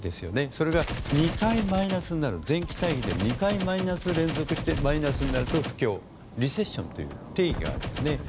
それが２回マイナスになる前期対比で２回マイナス連続してマイナスになると不況リセッションという定義があるんです。